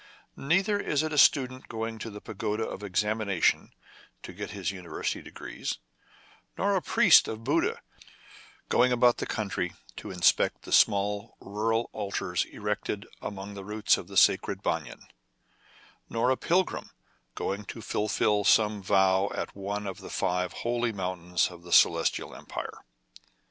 Neither is it a student going to the Pagoda of Examinations to get his university degrees ; nor a priest of Buddha going about the country to inspect the small rural altars erected among the roots of the sacred banyan ; nor a pilgrim going to fulfil some vow at one of the five holy mountains of the Celestial Empire.